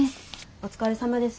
お疲れさまです。